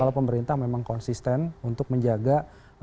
kalau pemerintah memang konsisten untuk menjaga impornya tidak terlalu banyak